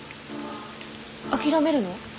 諦めるの？